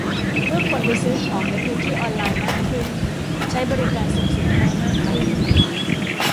เมื่อคนไปซื้อของในพื้นที่ออนไลน์มากขึ้น ใช้บริการส่งสินค้ามากขึ้น